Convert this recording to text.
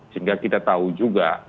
sehingga kita tahu juga